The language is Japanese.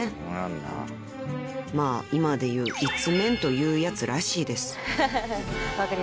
［まあ今でいういつメンというやつらしいです］